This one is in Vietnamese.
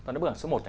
nó bằng số một